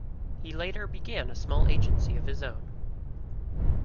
He later began a small agency of his own.